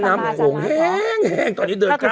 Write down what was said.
แม่น้ำโขงแห้งตอนนี้เดินกล้ามไปแล้ว